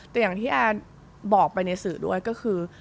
แต่อย่างที่อาบอกไปในสื่อด้วยก็คือ